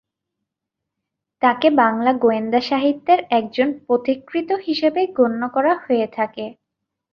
তাকে বাংলা গোয়েন্দা সাহিত্যের একজন পথিকৃৎ হিসেবে গণ্য করা হয়ে থাকে।